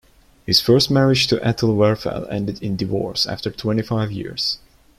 His first marriage to Ethel Werfel ended in divorce after twenty-five years.